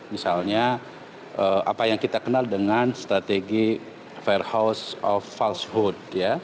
misalnya apa yang kita kenal dengan strategi fair house of falsehood